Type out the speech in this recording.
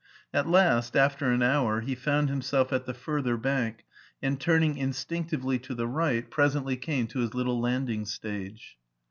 At last, after an hour, he found himself at the fur ther bank, and turning instinctively to the right pres ently came to his little landing stage.